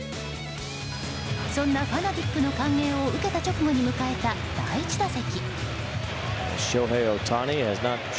そんなファナティックの歓迎を受けた直後に迎えた第１打席。